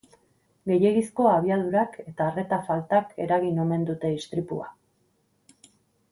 Gehiegizko abiadurak eta arreta faltak eragin omen dute istripua.